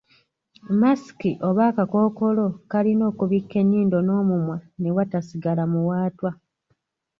Masiki oba akakookolo kalina okubikka ennyindo n’omumwa ne watasigala muwaatwa.